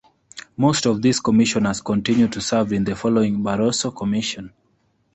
Most of these Commissioners continued to serve in the following Barroso Commission.